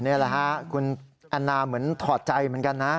นี่แหละฮะคุณแอนนาเหมือนถอดใจเหมือนกันนะ